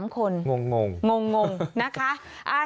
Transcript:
๓คนงงนะคะ